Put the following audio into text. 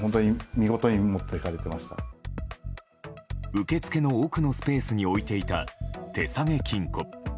受付の奥のスペースに置いていた手提げ金庫。